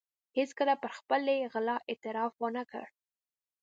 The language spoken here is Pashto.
هېڅکله پر خپلې غلا اعتراف و نه کړ.